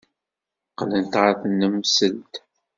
Qqlent ɣer tnemselt.